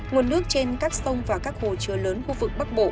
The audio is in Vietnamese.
nguồn nước trên các sông và các hồ chứa lớn khu vực bắc bộ